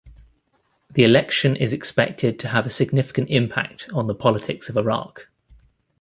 The election is expected to have a significant impact on the politics of Iraq.